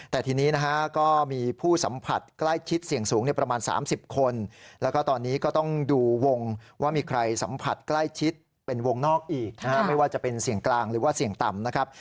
แต่ทีนี้นะฮะก็มีผู้สัมผัสใกล้ชิดเสี่ยงสูงประมาณ๓๐คนแล้วก็ตอนนี้ก็ต้องดูวงว่ามีใครสัมผัสใกล้ชิดเป็นวงนอกอีกนะฮะไม่ว่าจะเป็นเสี่ยงกลางหรือว่าเสี่ยงต่ำนะครับ